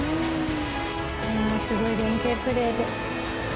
すごい連携プレーで。